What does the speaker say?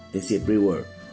tiến sĩ brewer